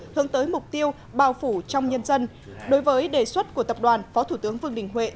hướng tới mục tiêu bào phủ trong nhân dân đối với đề xuất của tập đoàn phó thủ tướng vương đình huệ